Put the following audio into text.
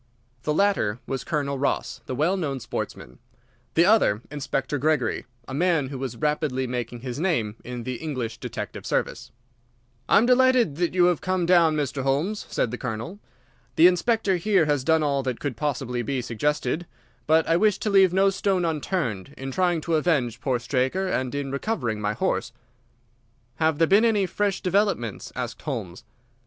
The latter was Colonel Ross, the well known sportsman; the other, Inspector Gregory, a man who was rapidly making his name in the English detective service. "I am delighted that you have come down, Mr. Holmes," said the Colonel. "The Inspector here has done all that could possibly be suggested, but I wish to leave no stone unturned in trying to avenge poor Straker and in recovering my horse." "Have there been any fresh developments?" asked Holmes.